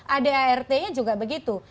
adart nya juga begitu